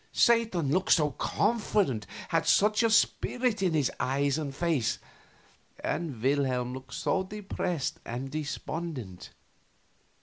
Satan looked so confident, had such a spirit in his eyes and face, and Wilhelm looked so depressed and despondent.